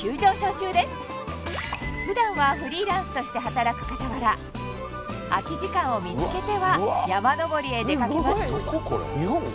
普段はフリーランスとして働く傍ら空き時間を見つけては山登りへ出かけます